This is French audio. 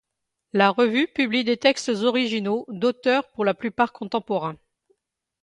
La revue publie des textes originaux d'auteurs pour la plupart contemporains.